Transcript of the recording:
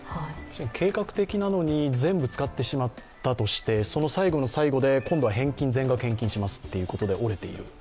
計画的なのに全部使ってしまったとしてその最後の最後で今度は全額返金しますということで折れている。